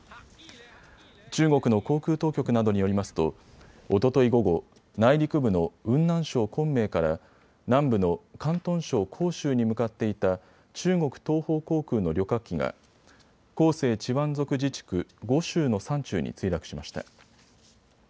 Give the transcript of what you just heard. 中国の航空当局などによりますとおととい午後、内陸部の雲南省昆明から南部の広東省広州に向かっていた中国東方航空の旅客機が広西チワン族自治区梧州の山中に墜落しました。